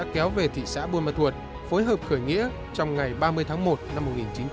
kéo về thị xã bươn mặt thuật phối hợp khởi nghĩa trong ngày ba mươi tháng một năm một nghìn chín trăm sáu mươi tám